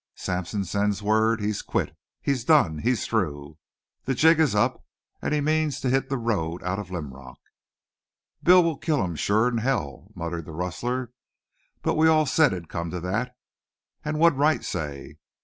Sampson sends word he's quit he's done he's through. The jig is up, and he means to hit the road out of Linrock." "Bill'll kill him surer 'n hell," muttered the rustler. "But we all said it'd come to thet. An' what'd Wright say?"